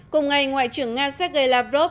cùng ngày ngoại trưởng nga sergei lavrov